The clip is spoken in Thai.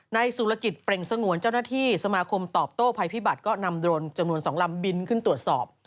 สุรกิจเปล่งสงวนเจ้าหน้าที่สมาคมตอบโต้ภัยพิบัตรก็นำโรนจำนวน๒ลำบินขึ้นตรวจสอบ